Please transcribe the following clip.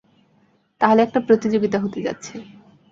তাহলে একটা প্রতিযোগিতা হতে যাচ্ছে।